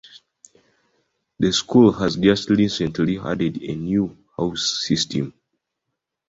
The school has just recently added a new House System.